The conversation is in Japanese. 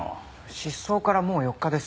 失踪からもう４日です。